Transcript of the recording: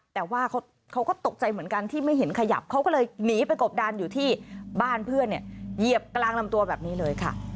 แต่ว่าเขาก็ตกใจเหมือนกันที่ไม่เห็นขยับเขาก็เลยหนีไปกบดานอยู่ที่บ้านเพื่อนเนี่ยเหยียบกลางลำตัวแบบนี้เลยค่ะ